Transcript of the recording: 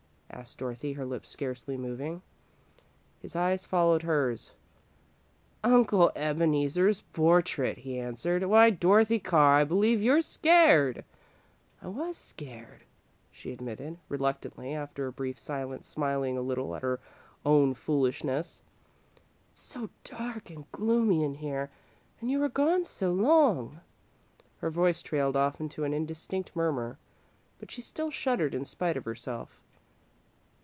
asked Dorothy, her lips scarcely moving. His eyes followed hers. "Uncle Ebeneezer's portrait," he answered. "Why, Dorothy Carr! I believe you're scared!" "I was scared," she admitted, reluctantly, after a brief silence, smiling a little at her own foolishness. "It's so dark and gloomy in here, and you were gone so long " Her voice trailed off into an indistinct murmur, but she still shuddered in spite of herself.